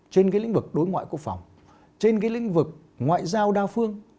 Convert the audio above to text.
trên cái lĩnh vực đối ngoại quốc phòng trên cái lĩnh vực ngoại giao đa phương